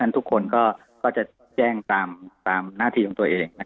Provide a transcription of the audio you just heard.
ทุกคนก็จะแจ้งตามหน้าที่ของตัวเอง